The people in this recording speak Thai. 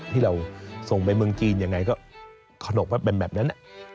ที่เราส่งไปเมืองจีนยังไงก็ขนมแบบนั้น